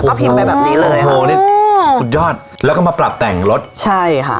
พิมพ์ไปแบบนี้เลยโอ้โหนี่สุดยอดแล้วก็มาปรับแต่งรถใช่ค่ะ